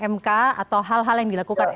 mk atau hal hal yang dilakukan